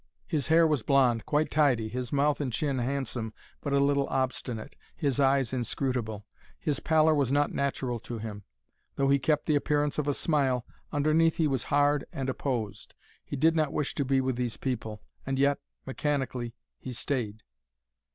His hair was blond, quite tidy, his mouth and chin handsome but a little obstinate, his eyes inscrutable. His pallor was not natural to him. Though he kept the appearance of a smile, underneath he was hard and opposed. He did not wish to be with these people, and yet, mechanically, he stayed.